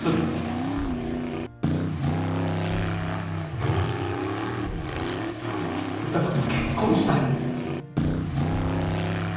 俺は歌子と結婚したい。